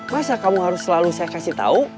masa kamu harus selalu saya kasih tahu